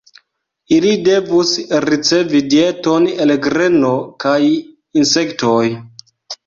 Ili devus ricevi dieton el greno kaj insektoj.